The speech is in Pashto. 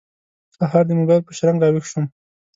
سهار د موبایل په شرنګ راوېښ شوم.